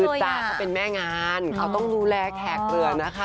คือจ้ะเขาเป็นแม่งานเขาต้องดูแลแขกเรือนะคะ